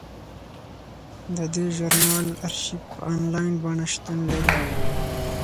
د دې ژورنال ارشیف په انلاین بڼه شتون لري.